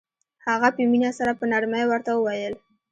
هغه په مينه سره په نرمۍ ورته وويل.